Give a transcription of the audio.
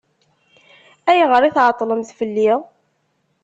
Ayɣer i tɛeṭṭlemt fell-i?